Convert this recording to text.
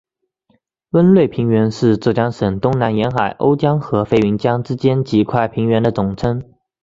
温瑞平原是浙江省东南沿海瓯江和飞云江之间几块平原的总称。